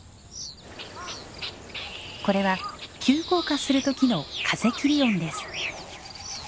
これは急降下する時の風切り音です。